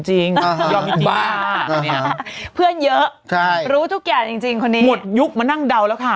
หมดยุคมานั่งเดาแล้วคะ